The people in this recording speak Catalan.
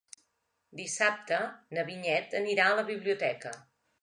Dissabte na Vinyet anirà a la biblioteca.